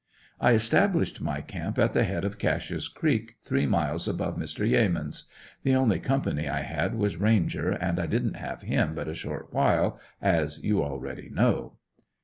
I established my camp at the head of Cashe's creek, three miles above Mr. Yeamans.' The only company I had was Ranger and I didn't have him but a short while, as you already know.